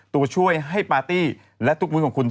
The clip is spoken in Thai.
ตัวช่วยให้ปาร์ตี้และทุกมื้อของคุณ